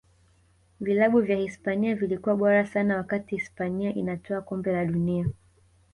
vilabu vya hisipania vilikuwa bora sana wakati hispania inatwaa kombe la dunia